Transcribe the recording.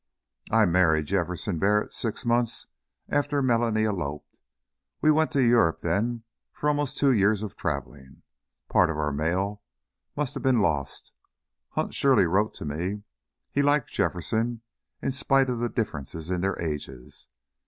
"I married Jefferson Barrett six months after Melanie eloped. We went to Europe then for almost two years of traveling. Part of our mail must have been lost. Hunt surely wrote to me! He liked Jefferson in spite of the differences in their ages.